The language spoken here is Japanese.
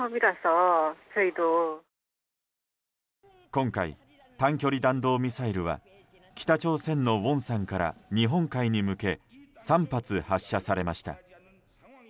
今回、短距離弾道ミサイルは北朝鮮のウォンサンから日本海に向け３発、発射されました。